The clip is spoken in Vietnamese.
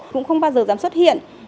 cũng không bao giờ dám xuất hiện